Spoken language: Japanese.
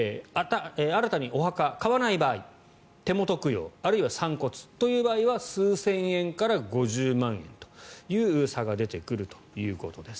新たにお墓買わない場合手元供養あるいは散骨という場合は数千円から５０万円という差が出てくるということです。